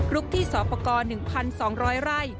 ที่สอบประกอบ๑๒๐๐ไร่